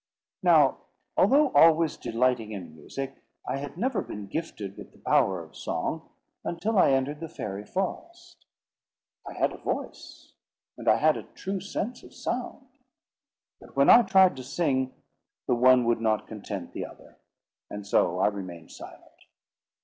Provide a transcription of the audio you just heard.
Now, although always delighting in music, I had never been gifted with the power of song, until I entered the fairy forest. I had a voice, and I had a true sense of sound; but when I tried to sing, the one would not content the other, and so I remained silent.